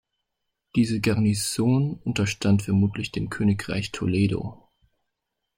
Diese Garnison unterstand vermutlich dem Königreich Toledo.